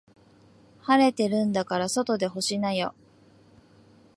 晴れてるんだから外で干しなよ。